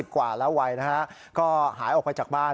กว่าแล้ววัยนะฮะก็หายออกไปจากบ้าน